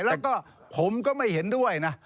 แล้วก็ผมก็ไม่เห็นด้วยนะ